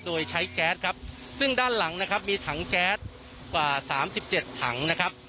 โดยใช้แก๊สครับซึ่งด้านหลังนะครับมีถังแก๊สกว่าสามสิบเจ็ดถังนะครับ